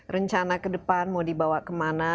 rencana ke depan mau dibawa kemana